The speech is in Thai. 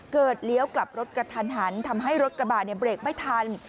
เลี้ยวกลับรถกระทันหันทำให้รถกระบะเบรกไม่ทัน